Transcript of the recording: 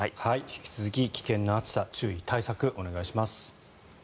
引き続き危険な暑さ注意、対策をお願いします。